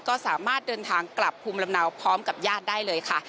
ก็สามารถเดินทางกลับภูมิลำเนาพร้อมกับญาติได้เลยค่ะ